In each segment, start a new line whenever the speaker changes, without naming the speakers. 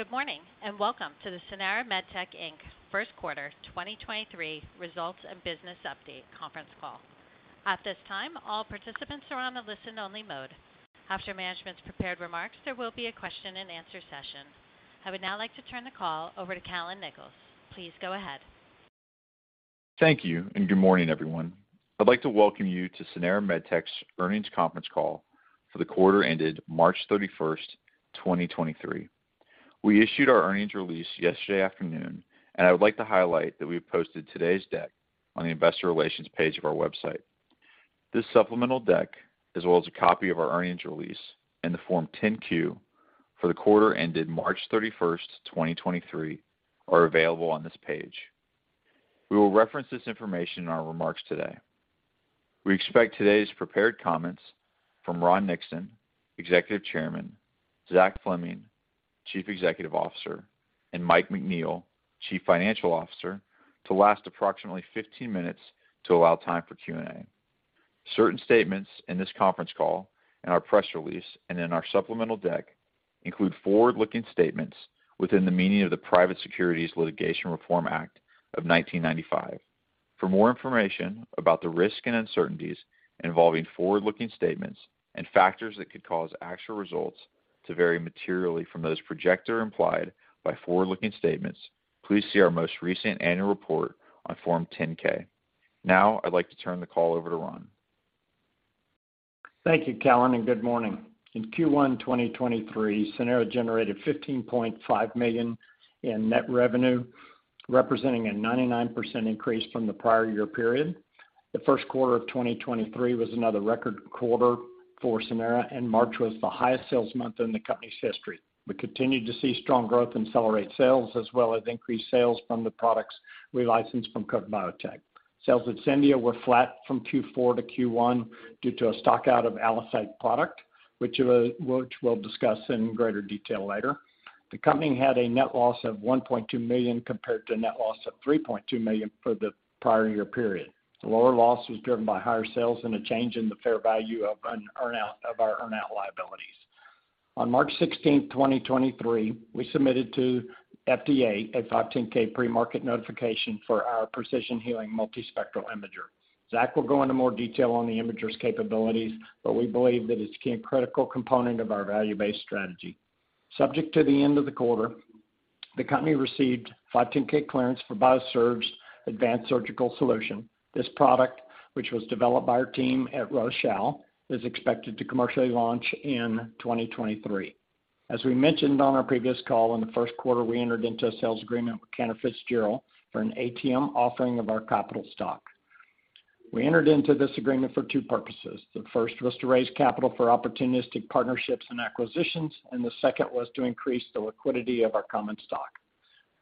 Good morning, and welcome to the Sanara MedTech Inc. first quarter 2023 results and business update conference call. At this time, all participants are on a listen-only mode. After management's prepared remarks, there will be a question-and-answer session. I would now like to turn the call over to Callon Nichols. Please go ahead.
Thank you, and good morning, everyone. I'd like to welcome you to Sanara MedTech's earnings conference call for the quarter ended March 31st, 2023. We issued our earnings release yesterday afternoon, and I would like to highlight that we have posted today's deck on the investor relations page of our website. This supplemental deck, as well as a copy of our earnings release and the Form 10-Q for the quarter ended March 31st, 2023, are available on this page. We will reference this information in our remarks today. We expect today's prepared comments from Ron Nixon, Executive Chairman, Zachary Fleming, Chief Executive Officer, and Michael McNeil, Chief Financial Officer, to last approximately 15 minutes to allow time for Q&A. Certain statements in this conference call and our press release and in our supplemental deck include forward-looking statements within the meaning of the Private Securities Litigation Reform Act of 1995. For more information about the risk and uncertainties involving forward-looking statements and factors that could cause actual results to vary materially from those projected or implied by forward-looking statements, please see our most recent annual report on Form 10-K. I'd like to turn the call over to Ron.
Thank you, Callon. Good morning. In Q1 2023, Sanara generated $15.5 million in net revenue, representing a 99% increase from the prior year period. The first quarter of 2023 was another record quarter for Sanara, March was the highest sales month in the company's history. We continued to see strong growth in CellerateRX sales, as well as increased sales from the products we licensed from Cook Biotech. Sales at Scendia were flat from Q4 to Q1 due to a stock out of ALLOCYTE product, which we'll discuss in greater detail later. The company had a net loss of $1.2 million compared to a net loss of $3.2 million for the prior year period. The lower loss was driven by higher sales and a change in the fair value of our earn-out liabilities. On March 16th, 2023, we submitted to FDA a 510(k) pre-market notification for our Precision Healing Multispectral Imager. Zach will go into more detail on the imager's capabilities. We believe that it's a critical component of our value-based strategy. Subject to the end of the quarter, the company received 510(k) clearance for BIASURGE's Advanced Surgical Solution. This product, which was developed by our team at Rochal, is expected to commercially launch in 2023. As we mentioned on our previous call, in the first quarter, we entered into a sales agreement with Cantor Fitzgerald for an ATM offering of our capital stock. We entered into this agreement for two purposes. The first was to raise capital for opportunistic partnerships and acquisitions, and the second was to increase the liquidity of our common stock.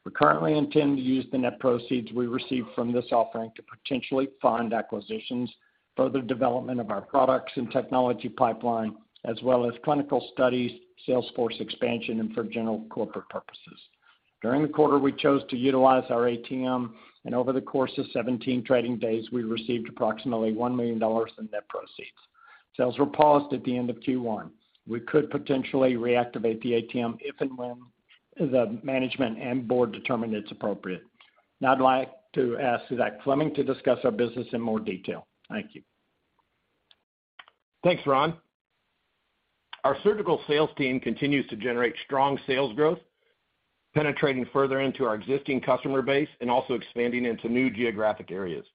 We currently intend to use the net proceeds we receive from this offering to potentially fund acquisitions, further development of our products and technology pipeline, as well as clinical studies, sales force expansion, and for general corporate purposes. During the quarter, we chose to utilize our ATM, and over the course of 17 trading days, we received approximately $1 million in net proceeds. Sales were paused at the end of Q1. We could potentially reactivate the ATM if and when the management and board determine it's appropriate. I'd like to ask Zachary Fleming to discuss our business in more detail. Thank you.
Thanks, Ron. Our surgical sales team continues to generate strong sales growth, penetrating further into our existing customer base and also expanding into new geographic areas.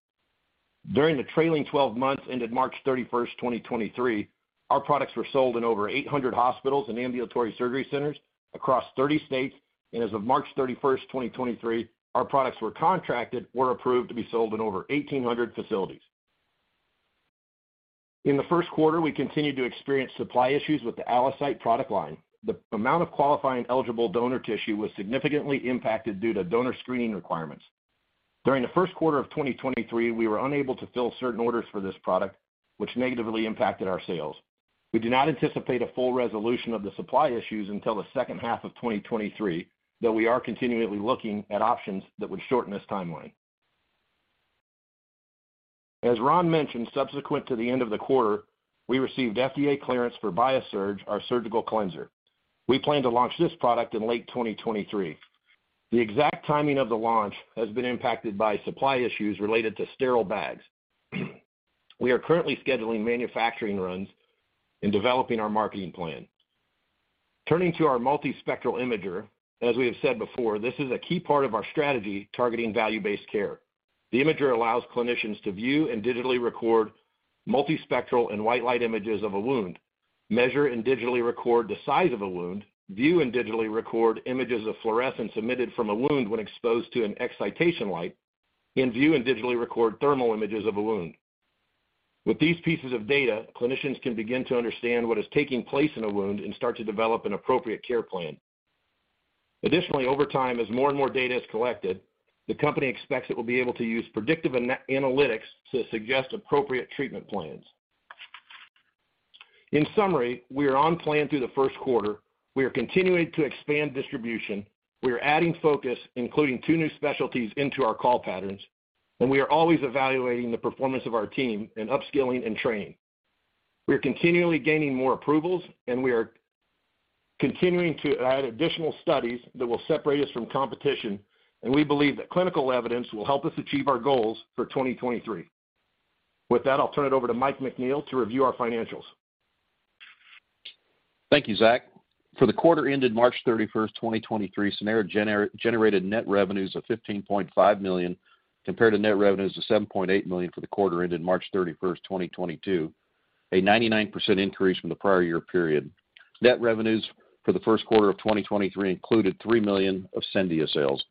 During the trailing 12 months ended March 31st, 2023, our products were sold in over 800 hospitals and ambulatory surgery centers across 30 states. As of March 31st, 2023, our products were contracted or approved to be sold in over 1,800 facilities. In the first quarter, we continued to experience supply issues with the ALLOCYTE product line. The amount of qualifying eligible donor tissue was significantly impacted due to donor screening requirements. During the 1st quarter of 2023, we were unable to fill certain orders for this product, which negatively impacted our sales. We do not anticipate a full resolution of the supply issues until the second half of 2023, though we are continually looking at options that would shorten this timeline. As Ron mentioned, subsequent to the end of the quarter, we received FDA clearance for BIASURGE, our surgical cleanser. We plan to launch this product in late 2023. The exact timing of the launch has been impacted by supply issues related to sterile bags. We are currently scheduling manufacturing runs and developing our marketing plan. Turning to our multispectral imager, as we have said before, this is a key part of our strategy targeting value-based care. The imager allows clinicians to view and digitally record multispectral and white light images of a wound, measure and digitally record the size of a wound, view and digitally record images of fluorescence emitted from a wound when exposed to an excitation light, and view and digitally record thermal images of a wound. With these pieces of data, clinicians can begin to understand what is taking place in a wound and start to develop an appropriate care plan. Over time, as more and more data is collected, the company expects it will be able to use predictive analytics to suggest appropriate treatment plans. We are on plan through the first quarter. We are continuing to expand distribution. We are adding focus, including two new specialties into our call patterns. We are always evaluating the performance of our team and upskilling and training. We are continually gaining more approvals, and we are continuing to add additional studies that will separate us from competition, and we believe that clinical evidence will help us achieve our goals for 2023. With that, I'll turn it over to Michael McNeil to review our financials.
Thank you, Zach. For the quarter ended March 31st, 2023, Sanara generated net revenues of $15.5 million compared to net revenues of $7.8 million for the quarter ended March 31st, 2022, a 99% increase from the prior year period. Net revenues for the first quarter of 2023 included $3 million of Scendia sales.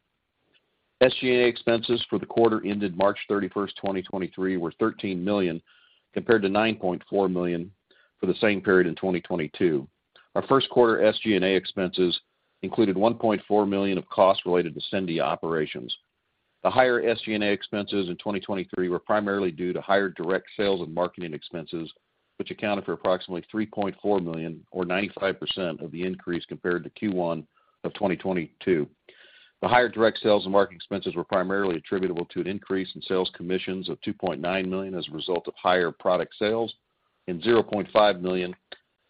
SG&A expenses for the quarter ended March 31st, 2023, were $13 million compared to $9.4 million for the same period in 2022. Our first quarter SG&A expenses included $1.4 million of costs related to Scendia operations. The higher SG&A expenses in 2023 were primarily due to higher direct sales and marketing expenses, which accounted for approximately $3.4 million, or 95% of the increase compared to Q1 of 2022. The higher direct sales and marketing expenses were primarily attributable to an increase in sales commissions of $2.9 million as a result of higher product sales and $0.5 million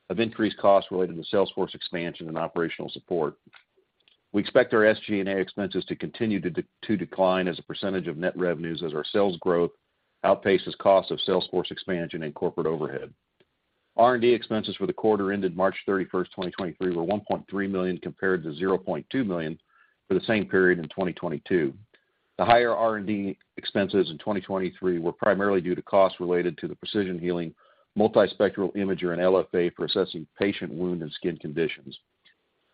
of increased costs related to salesforce expansion and operational support. We expect our SG&A expenses to continue to decline as a % of net revenues as our sales growth outpaces cost of salesforce expansion and corporate overhead. R&D expenses for the quarter ended March 31st, 2023 were $1.3 million compared to $0.2 million for the same period in 2022. The higher R&D expenses in 2023 were primarily due to costs related to the Precision Healing Multispectral Imager and LFA for assessing patient wound and skin conditions.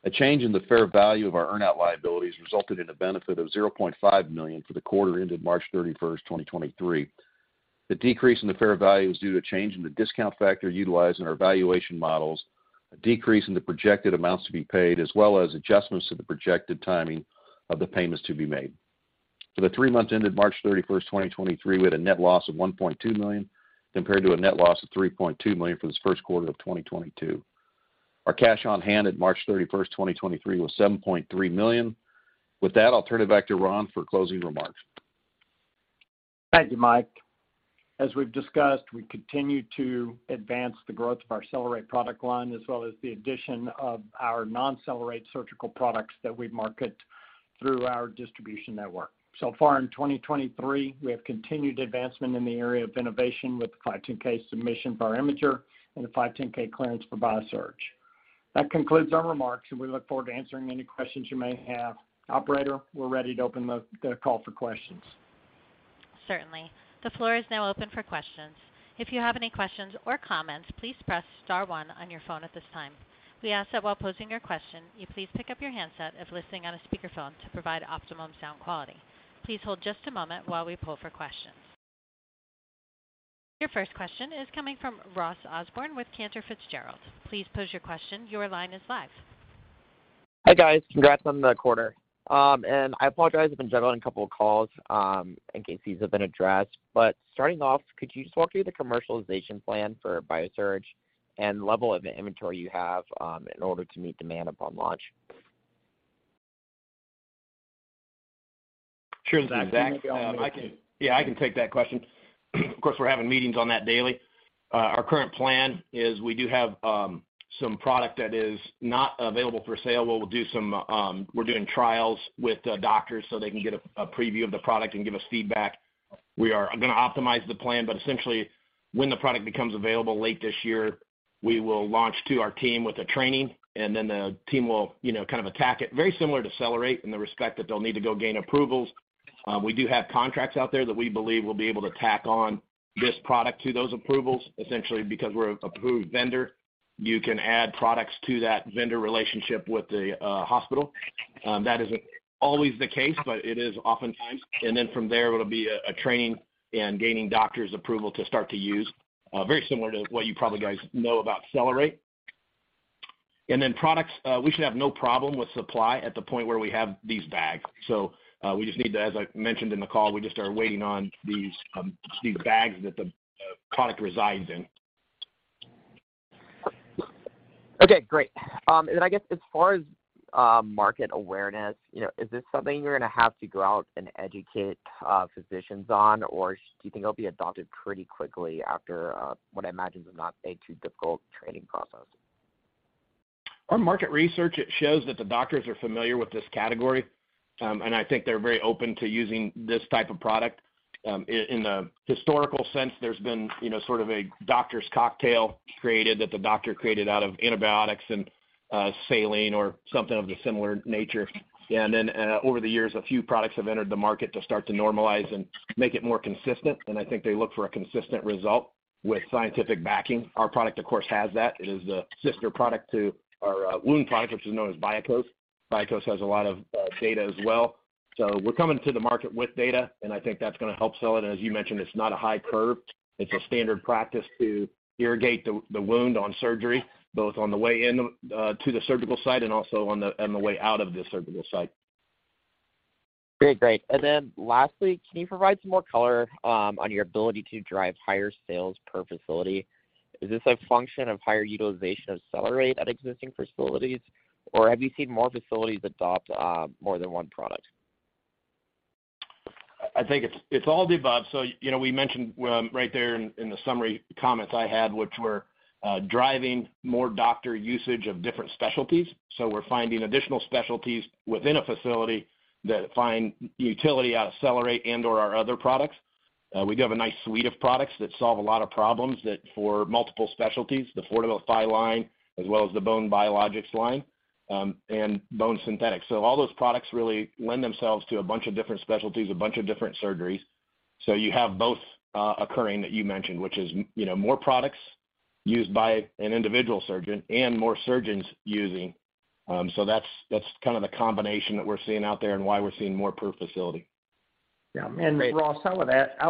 A change in the fair value of our earn-out liabilities resulted in a benefit of $0.5 million for the quarter ended March 31, 2023. The decrease in the fair value is due to a change in the discount factor utilized in our valuation models, a decrease in the projected amounts to be paid, as well as adjustments to the projected timing of the payments to be made. For the three months ended March 31, 2023, we had a net loss of $1.2 million compared to a net loss of $3.2 million for this first quarter of 2022. Our cash on hand at March 31, 2023 was $7.3 million. With that, I'll turn it back to Ron for closing remarks.
Thank you, Mike. As we've discussed, we continue to advance the growth of our Cellerate product line as well as the addition of our non-Cellerate surgical products that we market through our distribution network. So far in 2023, we have continued advancement in the area of innovation with the 510(k) submission for our imager and the 510(k) clearance for BIASURGE. That concludes our remarks. We look forward to answering any questions you may have. Operator, we're ready to open the call for questions.
Certainly. The floor is now open for questions. If you have any questions or comments, please press star one on your phone at this time. We ask that while posing your question, you please pick up your handset if listening on a speakerphone to provide optimum sound quality. Please hold just a moment while we pull for questions. Your first question is coming from Ross Osborn with Cantor Fitzgerald. Please pose your question. Your line is live.
Hi, guys. Congrats on the quarter. I apologize if I've been juggling a couple of calls, in case these have been addressed. Starting off, could you just walk me through the commercialization plan for BIASURGE and level of inventory you have, in order to meet demand upon launch?
Sure, Zach.
Yeah, I can take that question. Of course, we're having meetings on that daily. Our current plan is we do have some product that is not available for sale, but we'll do some, we're doing trials with the doctors so they can get a preview of the product and give us feedback. We are gonna optimize the plan, but essentially, when the product becomes available late this year, we will launch to our team with a training, and then the team will, you know, kind of attack it, very similar to CellerateRX in the respect that they'll need to go gain approvals. We do have contracts out there that we believe will be able to tack on this product to those approvals. Essentially because we're an approved vendor, you can add products to that vendor relationship with the hospital. That isn't always the case, but it is oftentimes. From there, it'll be a training and gaining doctors' approval to start to use, very similar to what you probably guys know about CellerateRX. Products, we should have no problem with supply at the point where we have these bagged. We just need to, as I mentioned in the call, we just are waiting on these bags that the product resides in.
Okay, great. I guess as far as market awareness, you know, is this something you're gonna have to go out and educate physicians on? Or do you think it'll be adopted pretty quickly after what I imagine is not a too difficult training process?
Our market research shows that the doctors are familiar with this category, and I think they're very open to using this type of product. In the historical sense, there's been, you know, sort of a doctor's cocktail created that the doctor created out of antibiotics and saline or something of the similar nature. Over the years, a few products have entered the market to start to normalize and make it more consistent, and I think they look for a consistent result with scientific backing. Our product, of course, has that. It is a sister product to our wound product, which is known as BIAKŌS. BIAKŌS has a lot of data as well. We're coming to the market with data, and I think that's gonna help sell it. As you mentioned, it's not a high curve. It's a standard practice to irrigate the wound on surgery, both on the way in to the surgical site and also on the way out of the surgical site.
Great. Then lastly, can you provide some more color on your ability to drive higher sales per facility? Is this a function of higher utilization of Cellerate at existing facilities, or have you seen more facilities adopt more than one product?
I think it's all the above. You know, we mentioned, right there in the summary comments I had, which were, driving more doctor usage of different specialties. We're finding additional specialties within a facility that find utility out of CellerateRX and/or our other products. We do have a nice suite of products that solve a lot of problems that for multiple specialties, the FORTIFY line as well as the Bone Biologics line, and bone synthetics. All those products really lend themselves to a bunch of different specialties, a bunch of different surgeries. You have both, occurring that you mentioned, which is, you know, more products used by an individual surgeon and more surgeons using. That's, that's kind of the combination that we're seeing out there and why we're seeing more per facility.
Yeah. Ross, I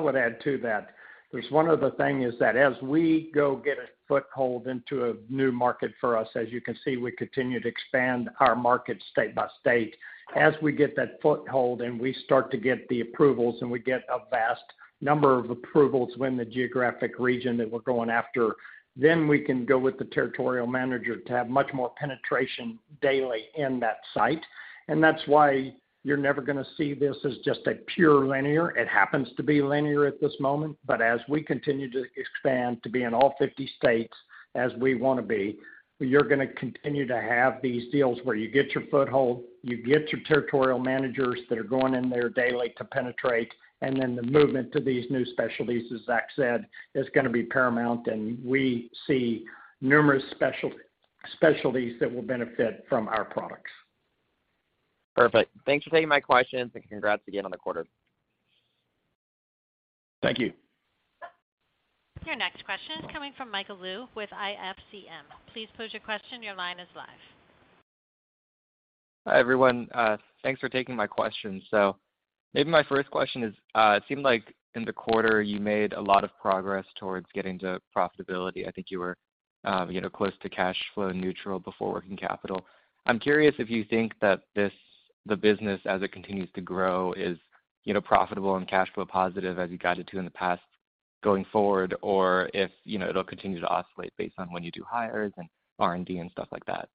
would add to that. There's one other thing is that as we go get a foothold into a new market for us, as you can see, we continue to expand our market state by state. As we get that foothold and we start to get the approvals, and we get a vast number of approvals when the geographic region that we're going after, then we can go with the territorial manager to have much more penetration daily in that site. That's why you're never gonna see this as just a pure linear. It happens to be linear at this moment. As we continue to expand to be in all 50 states as we wanna be, you're gonna continue to have these deals where you get your foothold, you get your territorial managers that are going in there daily to penetrate, and then the movement to these new specialties, as Zach said, is gonna be paramount, and we see numerous specialties that will benefit from our products.
Perfect. Thanks for taking my questions, and congrats again on the quarter.
Thank you.
Your next question is coming from Michael Lu with IFCM. Please pose your question. Your line is live.
Hi, everyone. Thanks for taking my question. Maybe my first question is, it seemed like in the quarter you made a lot of progress towards getting to profitability. I think you were, you know, close to cash flow neutral before working capital. I'm curious if you think that the business as it continues to grow is, you know, profitable and cash flow positive as you guided to in the past going forward, or if, you know, it'll continue to oscillate based on when you do hires and R&D and stuff like that.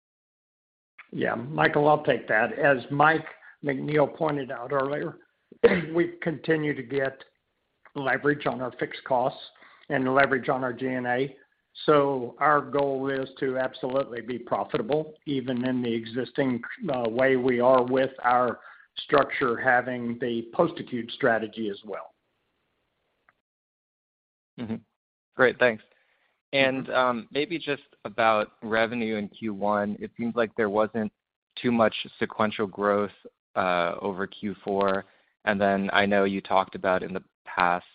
Yeah. Michael, I'll take that. As Michael McNeil pointed out earlier, we continue to get leverage on our fixed costs and leverage on our G&A. Our goal is to absolutely be profitable, even in the existing, way we are with our structure, having the Post-Acute strategy as well.
Great. Thanks. Maybe just about revenue in Q1. It seems like there wasn't too much sequential growth over Q4. Then I know you talked about in the past,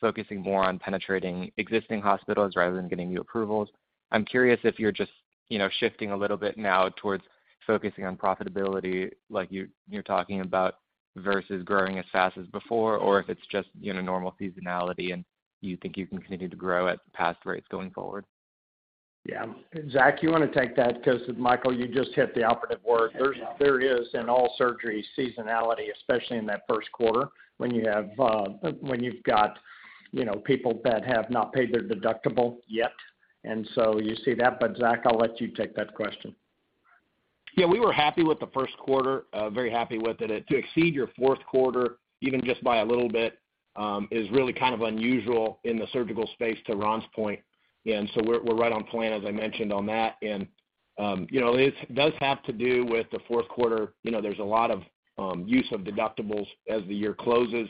focusing more on penetrating existing hospitals rather than getting new approvals. I'm curious if you're just, you know, shifting a little bit now towards focusing on profitability like you're talking about versus growing as fast as before, or if it's just, you know, normal seasonality and you think you can continue to grow at past rates going forward.
Yeah. Zach, you wanna take that 'cause, Michael, you just hit the operative word. There is in all surgery seasonality, especially in that first quarter when you have, when you've got, you know, people that have not paid their deductible yet. You see that. Zach, I'll let you take that question.
Yeah. We were happy with the first quarter, very happy with it. To exceed your fourth quarter even just by a little bit, is really kind of unusual in the surgical space, to Ron's point. We're right on plan, as I mentioned on that. You know, it does have to do with the fourth quarter. You know, there's a lot of use of deductibles as the year closes.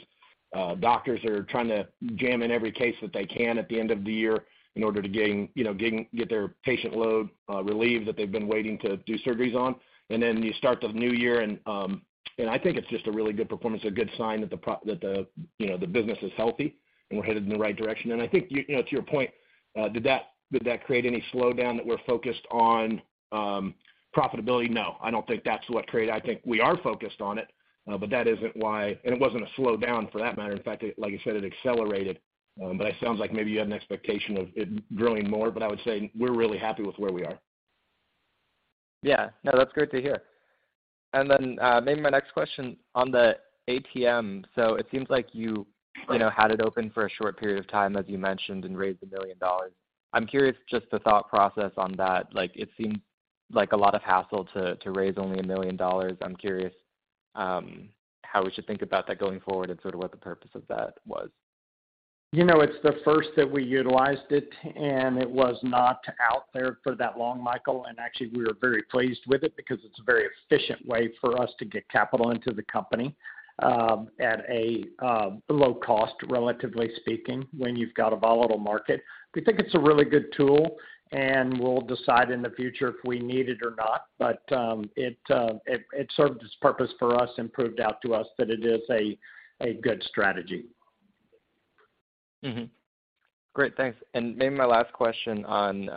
Doctors are trying to jam in every case that they can at the end of the year in order to get their patient load relieved that they've been waiting to do surgeries on. You start the new year, I think it's just a really good performance, a good sign that the business is healthy, and we're headed in the right direction. I think, you know, to your point, did that create any slowdown that we're focused on profitability? No, I don't think that's what created. I think we are focused on it, but that isn't why. It wasn't a slowdown for that matter. In fact, like you said, it accelerated. It sounds like maybe you had an expectation of it growing more, but I would say we're really happy with where we are.
Yeah. No, that's great to hear. Maybe my next question on the ATM. It seems like you know, had it open for a short period of time, as you mentioned, and raised $1 million. I'm curious just the thought process on that. Like, it seems like a lot of hassle to raise only $1 million. I'm curious, how we should think about that going forward and sort of what the purpose of that was.
You know, it's the first that we utilized it, and it was not out there for that long, Michael. Actually, we were very pleased with it because it's a very efficient way for us to get capital into the company, at a low cost, relatively speaking, when you've got a volatile market. We think it's a really good tool, and we'll decide in the future if we need it or not. It, it served its purpose for us and proved out to us that it is a good strategy.
Great. Thanks. Maybe my last question on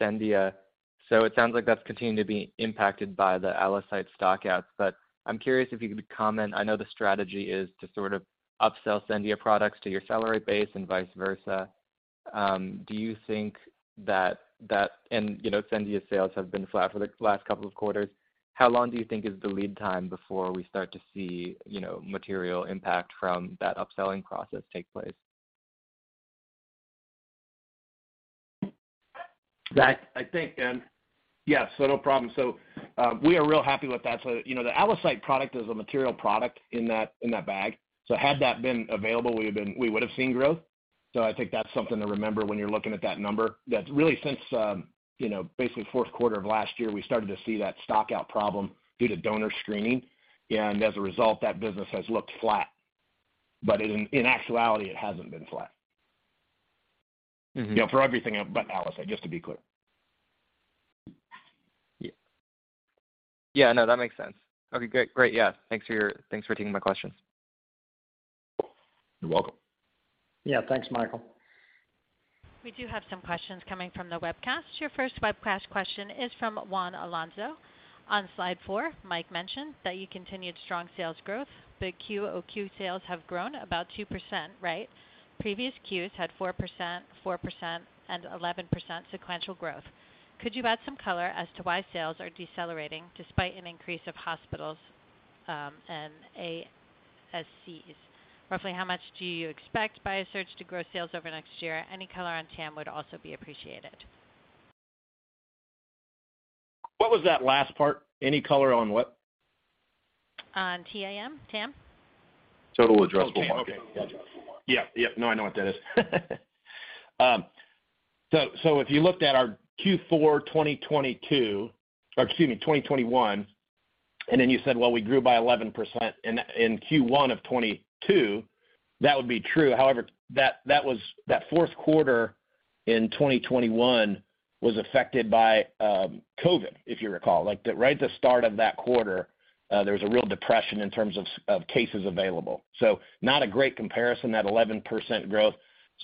Scendia. It sounds like that's continuing to be impacted by the ALLOCYTE stock-outs. I'm curious if you could comment. I know the strategy is to sort of upsell Scendia products to your CellerateRX base and vice versa. You know, Scendia sales have been flat for the last couple of quarters. How long do you think is the lead time before we start to see, you know, material impact from that upselling process take place?
Zach, I think, yeah, no problem. We are real happy with that. You know, the ALLOCYTE product is a material product in that, in that bag. Had that been available, we would have seen growth. I think that's something to remember when you're looking at that number. That's really since, you know, basically fourth quarter of last year, we started to see that stock out problem due to donor screening. As a result, that business has looked flat. In actuality, it hasn't been flat.
Mm-hmm.
You know, for everything but ALLOCYTE, just to be clear.
Yeah. Yeah. No, that makes sense. Okay, great. Great. Yeah. Thanks for taking my questions.
You're welcome.
Yeah. Thanks, Michael.
We do have some questions coming from the webcast. Your first webcast question is from Juan Alonso. On slide four, Mike mentioned that you continued strong sales growth, but QOQ sales have grown about 2%, right? Previous Qs had 4%, 4%, and 11% sequential growth. Could you add some color as to why sales are decelerating despite an increase of hospitals and ASCs? Roughly how much do you expect BIASURGE to grow sales over next year? Any color on TAM would also be appreciated.
What was that last part? Any color on what?
On T-A-M, TAM.
Total addressable market.
TAM. Gotcha. Yeah. Yeah. No, I know what that is. If you looked at our Q4 2022, or excuse me, 2021, and then you said, well, we grew by 11% in Q1 of 2022, that would be true. That fourth quarter in 2021 was affected by COVID, if you recall. Like, the right at the start of that quarter, there was a real depression in terms of of cases available. Not a great comparison, that 11% growth.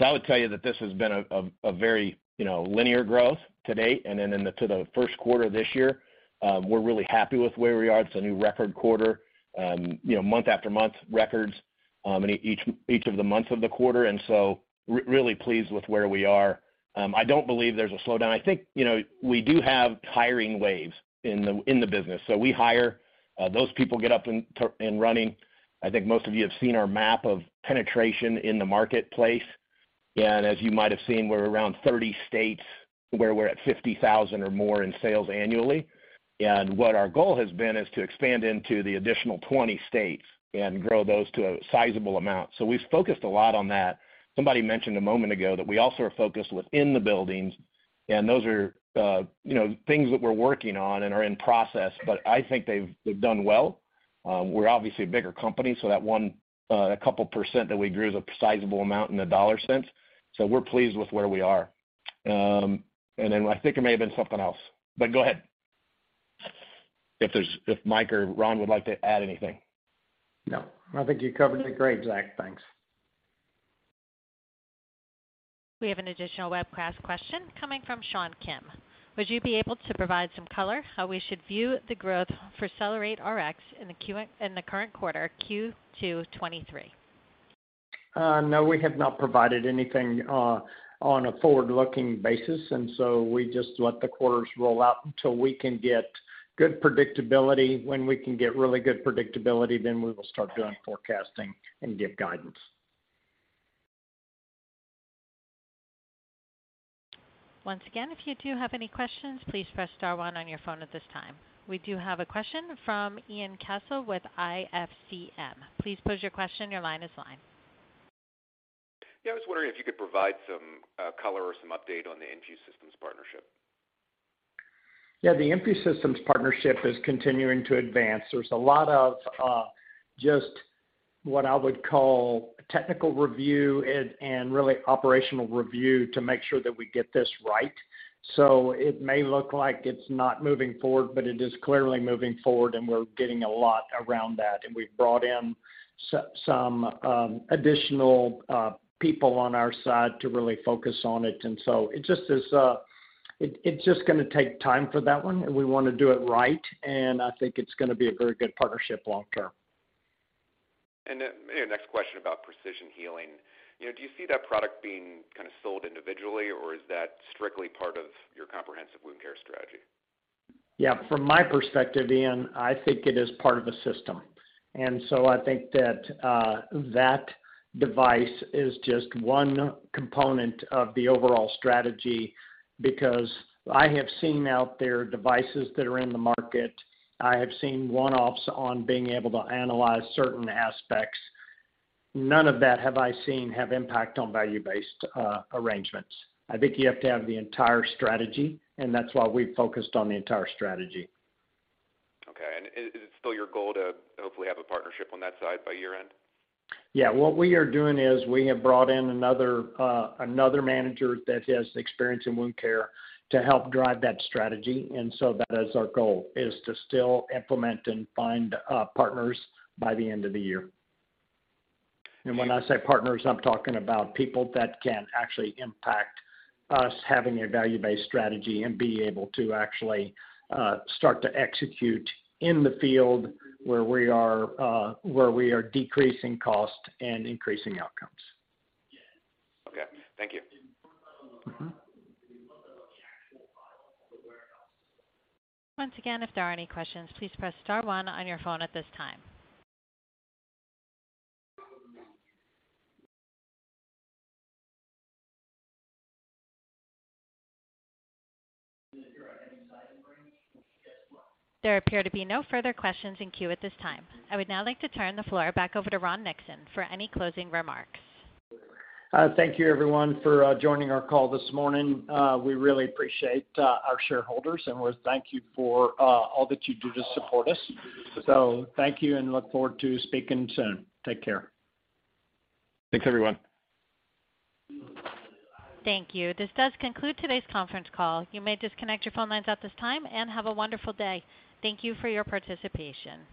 I would tell you that this has been a very, you know, linear growth to date and then to the first quarter this year. We're really happy with where we are. It's a new record quarter. You know, month after month records, in each of the months of the quarter, really pleased with where we are. I don't believe there's a slowdown. I think, you know, we do have hiring waves in the, in the business. We hire, those people get up and running. I think most of you have seen our map of penetration in the marketplace. As you might have seen, we're around 30 states where we're at $50,000 or more in sales annually. What our goal has been is to expand into the additional 20 states and grow those to a sizable amount. We've focused a lot on that. Somebody mentioned a moment ago that we also are focused within the buildings, and those are, you know, things that we're working on and are in process. I think they've done well. We're obviously a bigger company, that one, a couple percent that we grew is a sizable amount in the dollar sense. We're pleased with where we are. Then I think it may have been something else. Go ahead. If Mike or Ron would like to add anything.
No. I think you covered it great, Zach. Thanks.
We have an additional webcast question coming from Sean Kim. Would you be able to provide some color how we should view the growth for CellerateRX in the current quarter, Q2 2023?
No, we have not provided anything, on a forward-looking basis, and so we just let the quarters roll out until we can get good predictability. When we can get really good predictability, then we will start doing forecasting and give guidance.
Once again, if you do have any questions, please press star one on your phone at this time. We do have a question from Ian Cassel with IFCM. Please pose your question. Your line is live.
I was wondering if you could provide some color or some update on the InfuSystem partnership?
Yeah, the InfuSystem partnership is continuing to advance. There's a lot of just what I would call technical review and really operational review to make sure that we get this right. It may look like it's not moving forward, but it is clearly moving forward, and we're getting a lot around that. We've brought in some additional people on our side to really focus on it. It's just gonna take time for that one, and we wanna do it right. I think it's gonna be a very good partnership long term.
Next question about Precision Healing. You know, do you see that product being kinda sold individually, or is that strictly part of your comprehensive wound care strategy?
Yeah. From my perspective, Ian, I think it is part of a system. I think that device is just one component of the overall strategy because I have seen out there devices that are in the market. I have seen one-offs on being able to analyze certain aspects. None of that have I seen have impact on value-based arrangements. I think you have to have the entire strategy, and that's why we focused on the entire strategy.
Okay. Is it still your goal to hopefully have a partnership on that side by year-end?
Yeah. What we are doing is we have brought in another manager that has experience in wound care to help drive that strategy. That is our goal, is to still implement and find partners by the end of the year. When I say partners, I'm talking about people that can actually impact us having a value-based strategy and be able to actually start to execute in the field where we are decreasing cost and increasing outcomes.
Okay. Thank you.
Mm-hmm.
Once again, if there are any questions, please press star one on your phone at this time. There appear to be no further questions in queue at this time. I would now like to turn the floor back over to Ron Nixon for any closing remarks.
Thank you everyone for joining our call this morning. We really appreciate our shareholders, and we thank you for all that you do to support us. Thank you and look forward to speaking soon. Take care.
Thanks, everyone.
Thank you. This does conclude today's conference call. You may disconnect your phone lines at this time, and have a wonderful day. Thank you for your participation.